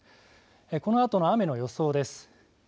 このあとの雨の予想です。